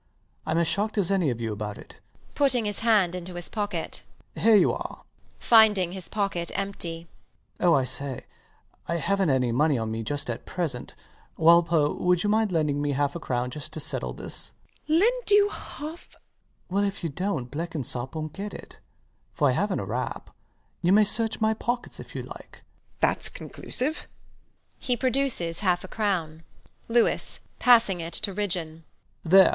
I'm as shocked as any of you about it. [Putting his hand into his pocket] Here you are. [Finding his pocket empty] Oh, I say, I havnt any money on me just at present. Walpole: would you mind lending me half a crown just to settle this. WALPOLE. Lend you half [his voice faints away]. LOUIS. Well, if you dont, Blenkinsop wont get it; for I havnt a rap: you may search my pockets if you like. WALPOLE. Thats conclusive. [He produces half a crown]. LOUIS [passing it to Ridgeon] There!